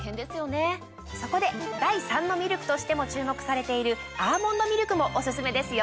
そこで第３のミルクとしても注目されているアーモンドミルクもオススメですよ。